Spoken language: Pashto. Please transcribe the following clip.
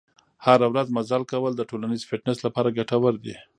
هره ورځ مزل کول د ټولیز فټنس لپاره ګټور دي.